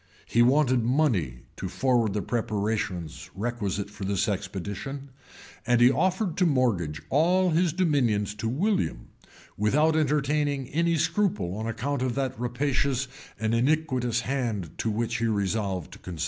He wanted money to forward the preparations requisite for this expedition, and he offered to mortgage all his dominions to William, without entertaining any scruple on account of that rapacious and iniquitous hand to which he resolved to consign them.